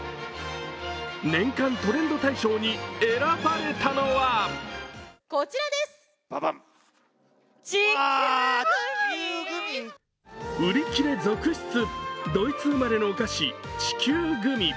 年間トレンド大賞に選ばれたのは売り切れ続出、ドイツ生まれのお菓子、地球グミ。